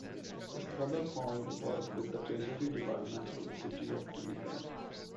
His father found work with the treasury department for the city of Winnipeg.